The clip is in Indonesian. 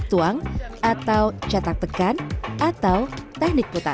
catak tuang atau catak tekan atau teknik putar